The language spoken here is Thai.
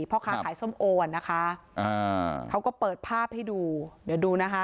พ่อค้าขายส้มโอนะคะอ่าเขาก็เปิดภาพให้ดูเดี๋ยวดูนะคะ